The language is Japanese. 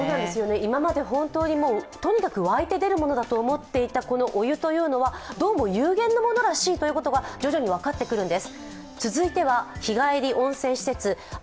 今まで本当にとにかく沸いて出てくるものだと思っていたお湯はどうも有限のものらしいというのが徐々に分かってくるんです。